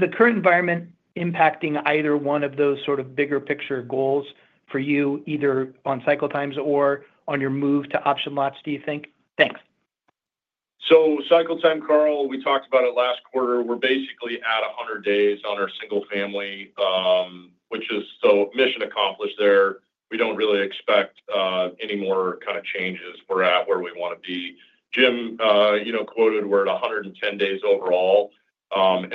the current environment impacting either one of those sort of bigger picture goals for you, either on cycle times or on your move to option lots, do you think? Thanks. Cycle time, Carl, we talked about it last quarter. We're basically at 100 days on our single family, which is so mission accomplished there. We don't really expect any more kind of changes. We're at where we want to be. Jim quoted we're at 110 days overall.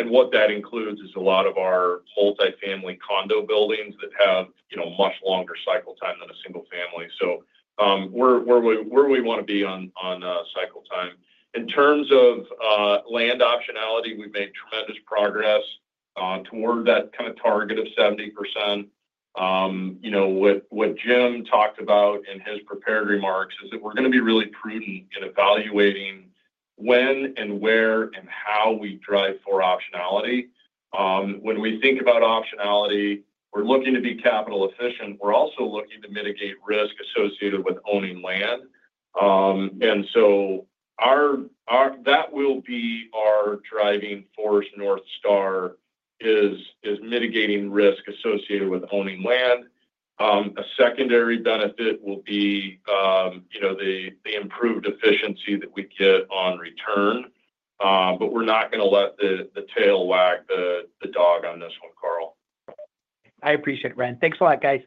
What that includes is a lot of our multi-family condo buildings that have a much longer cycle time than a single family. Where we want to be on cycle time. In terms of land optionality, we've made tremendous progress toward that kind of target of 70%. What Jim talked about in his prepared remarks is that we're going to be really prudent in evaluating when and where and how we drive for optionality. When we think about optionality, we're looking to be capital efficient. We're also looking to mitigate risk associated with owning land. That will be our driving force. North Star is mitigating risk associated with owning land. A secondary benefit will be the improved efficiency that we get on return. We're not going to let the tail wag the dog on this one, Carl. I appreciate it, Ryan. Thanks a lot, guys.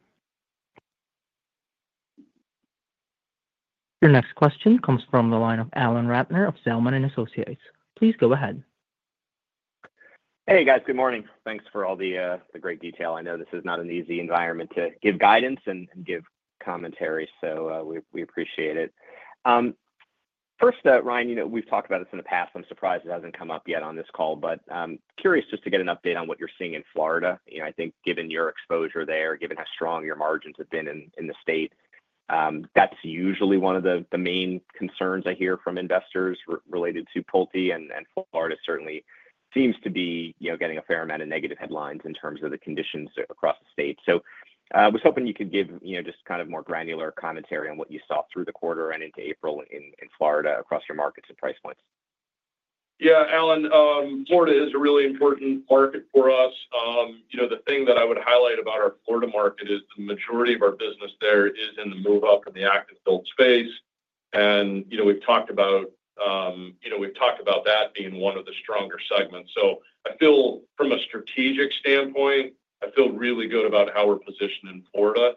Your next question comes from the line of Alan Ratner of Zelman & Associates. Please go ahead. Hey, guys. Good morning. Thanks for all the great detail. I know this is not an easy environment to give guidance and give commentary, so we appreciate it. First, Ryan, we've talked about this in the past. I'm surprised it hasn't come up yet on this call, but I'm curious just to get an update on what you're seeing in Florida. I think given your exposure there, given how strong your margins have been in the state, that's usually one of the main concerns I hear from investors related to PulteGroup. Florida certainly seems to be getting a fair amount of negative headlines in terms of the conditions across the state. I was hoping you could give just kind of more granular commentary on what you saw through the quarter and into April in Florida across your markets and price points. Yeah. Alan, Florida is a really important market for us. The thing that I would highlight about our Florida market is the majority of our business there is in the move-up and the active adult space. We have talked about that being one of the stronger segments. I feel, from a strategic standpoint, really good about how we are positioned in Florida.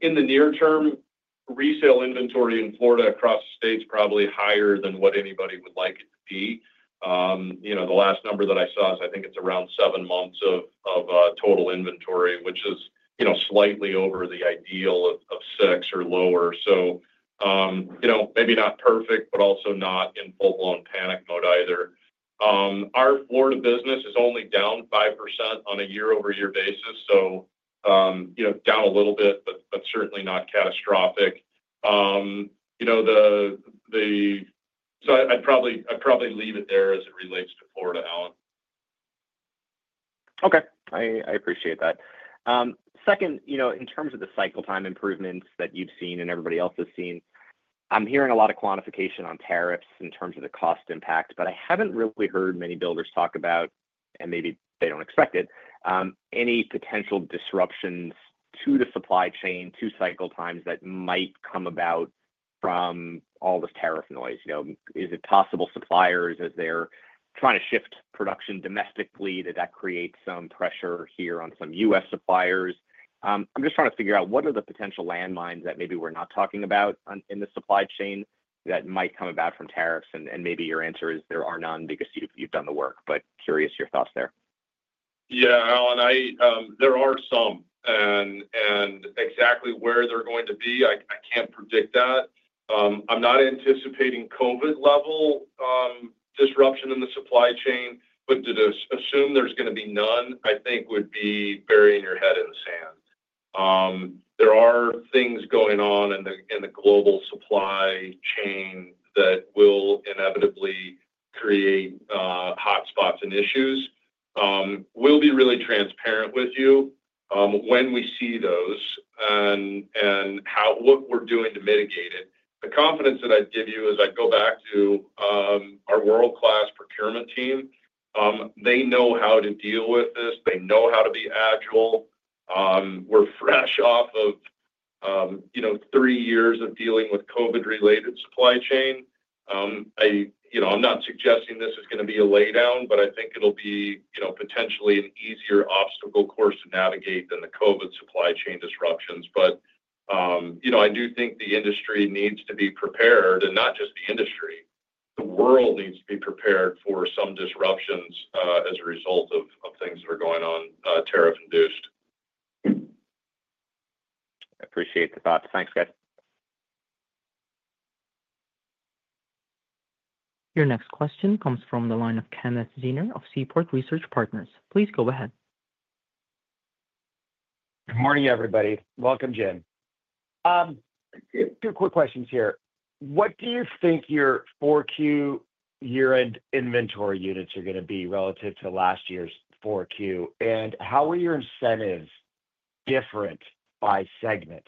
In the near term, resale inventory in Florida across the state is probably higher than what anybody would like it to be. The last number that I saw is I think it is around seven months of total inventory, which is slightly over the ideal of six or lower. Maybe not perfect, but also not in full-blown panic mode either. Our Florida business is only down 5% on a year-over-year basis, so down a little bit, but certainly not catastrophic. I would probably leave it there as it relates to Florida, Alan. Okay. I appreciate that. Second, in terms of the cycle time improvements that you've seen and everybody else has seen, I'm hearing a lot of quantification on tariffs in terms of the cost impact, but I haven't really heard many builders talk about, and maybe they don't expect it, any potential disruptions to the supply chain, to cycle times that might come about from all this tariff noise. Is it possible suppliers, as they're trying to shift production domestically, that that creates some pressure here on some U.S. suppliers? I'm just trying to figure out what are the potential landmines that maybe we're not talking about in the supply chain that might come about from tariffs? Maybe your answer is there are none because you've done the work, but curious your thoughts there. Yeah, Alan. There are some. And exactly where they're going to be, I can't predict that. I'm not anticipating COVID-level disruption in the supply chain, but to assume there's going to be none, I think, would be burying your head in the sand. There are things going on in the global supply chain that will inevitably create hotspots and issues. We'll be really transparent with you when we see those and what we're doing to mitigate it. The confidence that I'd give you is I'd go back to our world-class procurement team. They know how to deal with this. They know how to be agile. We're fresh off of three years of dealing with COVID-related supply chain. I'm not suggesting this is going to be a lay-down, but I think it'll be potentially an easier obstacle course to navigate than the COVID supply chain disruptions. I do think the industry needs to be prepared, and not just the industry. The world needs to be prepared for some disruptions as a result of things that are going on tariff-induced. I appreciate the thoughts. Thanks, guys. Your next question comes from the line of Ken Zener of Seaport Research Partners. Please go ahead. Good morning, everybody. Welcome, Jim. Two quick questions here. What do you think your 4Q year-end inventory units are going to be relative to last year's 4Q? And how are your incentives different by segment?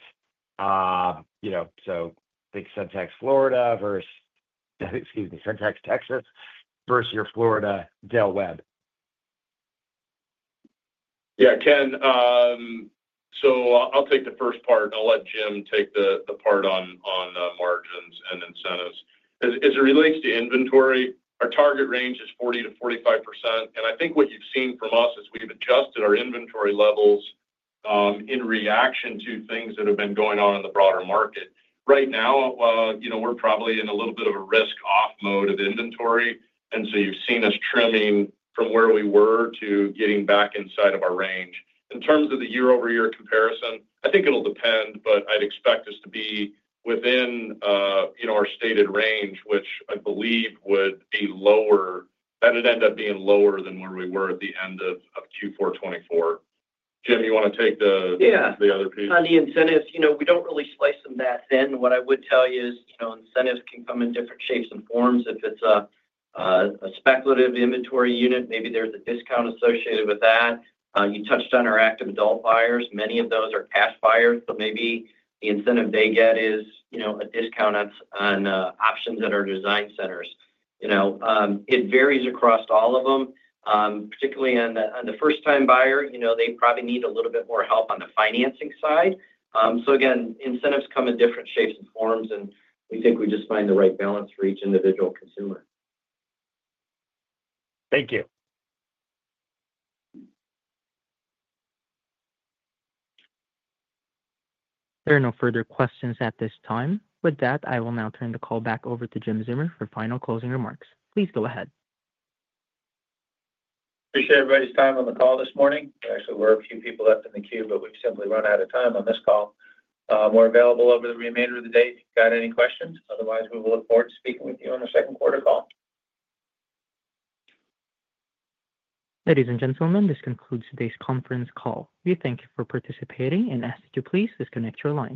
So think Centex Florida versus—excuse me—Centex Texas versus your Florida Del Webb. Yeah, Ken. I will take the first part. I will let Jim take the part on margins and incentives. As it relates to inventory, our target range is 40-45%. I think what you have seen from us is we have adjusted our inventory levels in reaction to things that have been going on in the broader market. Right now, we're probably in a little bit of a risk-off mode of inventory. You have seen us trimming from where we were to getting back inside of our range. In terms of the year-over-year comparison, I think it will depend, but I would expect us to be within our stated range, which I believe would be lower—that would end up being lower than where we were at the end of Q4 2024. Jim, you want to take the other piece? Yeah. On the incentives, we do not really slice them that thin. What I would tell you is incentives can come in different shapes and forms. If it is a speculative inventory unit, maybe there is a discount associated with that. You touched on our active adult buyers. Many of those are cash buyers, but maybe the incentive they get is a discount on options that are design centers. It varies across all of them, particularly on the first-time buyer. They probably need a little bit more help on the financing side. Again, incentives come in different shapes and forms, and we think we just find the right balance for each individual consumer. Thank you. There are no further questions at this time. With that, I will now turn the call back over to Jim Zeumer for final closing remarks. Please go ahead. Appreciate everybody's time on the call this morning. Actually, there were a few people left in the queue, but we've simply run out of time on this call. We're available over the remainder of the day if you've got any questions. Otherwise, we will look forward to speaking with you on our second quarter call. Ladies and gentlemen, this concludes today's conference call. We thank you for participating and ask that you please disconnect your line.